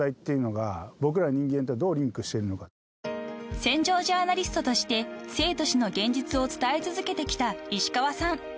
［戦場ジャーナリストとして生と死の現実を伝え続けてきた石川さん］